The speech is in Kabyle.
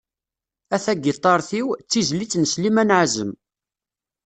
"A tagiṭart-iw", d tizlit n Sliman Ԑazem.